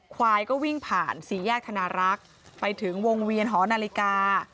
ควายก็วิ่งผ่านสี่แยกธนารักษ์ไปถึงวงเวียนหอนาฬิกา